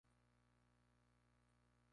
Aquí se encuentra la escuela rural El Mirador.